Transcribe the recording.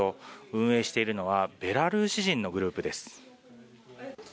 運営しているのはベラルーシ人のグループです。